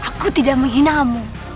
aku tidak menghina kamu